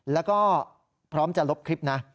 แล้วก็พร้อมจะลบคลิปนะ